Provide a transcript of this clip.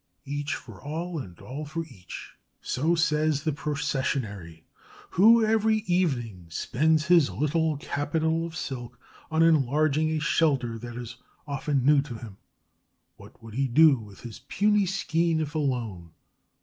Each for all and all for each. So says the Processionary, who every evening spends his little capital of silk on enlarging a shelter that is often new to him. What would he do with his puny skein, if alone?